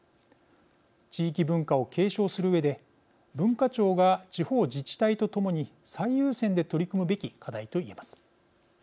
地域文化を継承するうえで文化庁が地方自治体と共に最優先で取り組むべき課題と言えます。